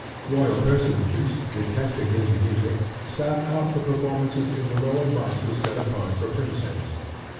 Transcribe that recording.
Royal personages, detesting his music, sat out the performances in the row of boxes set apart for princes.